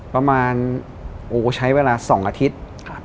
ประมาณใช้เวลา๒อาทิตย์